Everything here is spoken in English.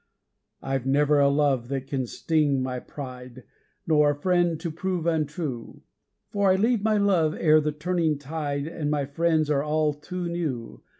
I've never a love that can sting my pride, Nor a friend to prove untrue; For I leave my love ere the turning tide, And my friends are all too new.